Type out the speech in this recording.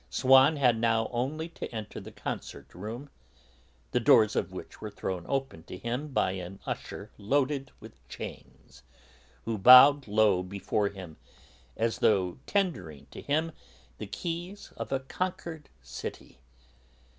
Swann had now only to enter the concert room, the doors of which were thrown open to him by an usher loaded with chains, who bowed low before him as though tendering to him the keys of a conquered city.